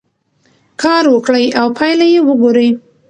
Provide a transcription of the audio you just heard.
کار وکړئ او پایله یې وګورئ.